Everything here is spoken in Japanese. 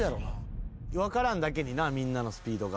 分からんだけになみんなのスピードが。